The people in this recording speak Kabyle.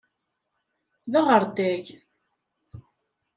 D aɣerday.